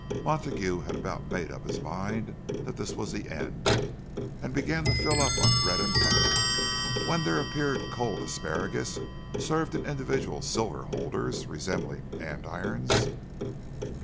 Montague had about made up his mind that this was the end, and begun to fill up on bread and butter, when there appeared cold asparagus, served in individual silver holders resembling andirons.